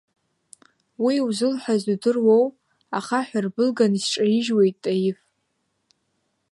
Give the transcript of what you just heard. Уи иузылҳәаз удыруоу, ахаҳә рбылгьаны исҿаижьуеит Таиф.